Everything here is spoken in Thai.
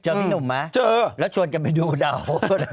พี่หนุ่มไหมเจอแล้วชวนกันไปดูเดา